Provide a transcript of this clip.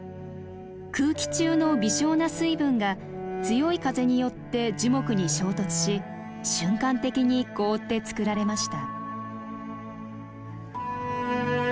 空気中の微小な水分が強い風によって樹木に衝突し瞬間的に凍って作られました。